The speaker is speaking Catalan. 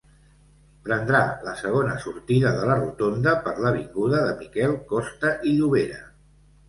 Prendrà la segona sortida de la rotonda per l'avinguda de Miquel Costa i Llobera.